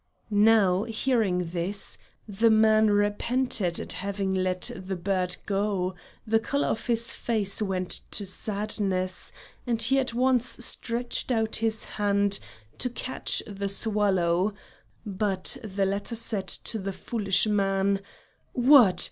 Now, hearing this, the man repented at having let the bird go, the color of his face went to sadness, and he at once stretched out his hand to catch the swallow, but the latter said to the foolish man: "What!